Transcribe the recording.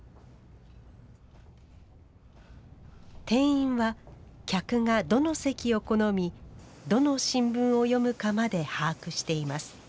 店員は客がどの席を好みどの新聞を読むかまで把握しています。